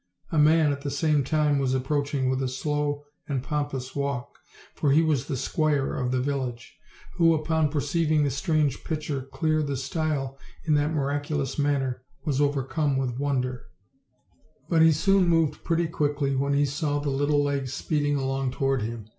A man, at the same time, was approaching with a slow and pompous walk for he was the squire of the village who, upon perceiving the strange pitcher clear the stile in that miraculous manner, was overcome with wonder; but he soon moved pretty quickly when he saw the little legs speeding along toward him.